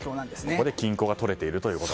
ここで均衡がとれていると。